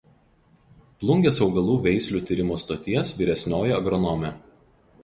Plungės augalų veislių tyrimo stoties vyresnioji agronomė.